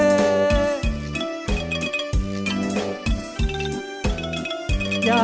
อยากขอร้องให้น้องเรียกเวียบฝืนใจ